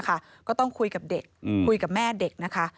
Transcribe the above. ก็ต้องคุยกับเด็กคุยกับแม่เด็กนะคะ